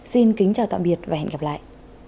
xin kính chào tạm biệt và hẹn gặp lại